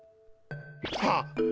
はっ！